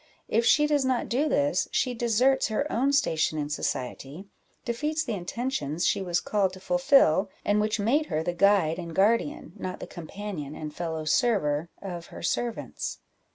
If she does not do this, she deserts her own station in society, defeats the intentions she was called to fulfil, and which made her the guide and guardian, not the companion and fellow server, of her servants.